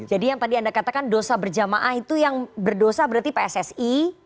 jadi yang tadi anda katakan dosa berjamaah itu yang berdosa berarti pssi